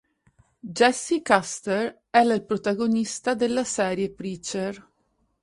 Jesse Custer è il protagonista della serie Preacher.